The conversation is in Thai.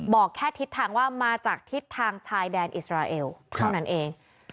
บอกแค่ทิศทางว่ามาจากทิศทางชายแดนอิสราเอลเท่านั้นเอง